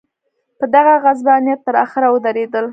په دغه غصبانیت تر اخره ودرېدل.